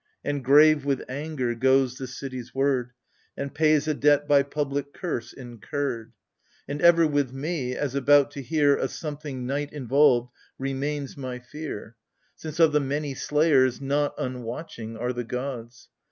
And grave with anger goes the city's word. And pays a debt by public curse incurred. And ever with me — as about to hear A something night involved — remains my fear : AGAMEMNON. 39 Since of the many slayers — not Unwatching are the gods.